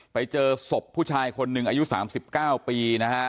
ไปเจอศพผู้ชายคนหนึ่งอายุ๓๙ปีนะฮะ